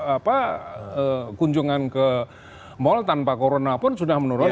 apa kunjungan ke mol tanpa krona pun sudah menurun